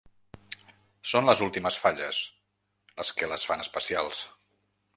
Són les últimes falles, les que les fan especials.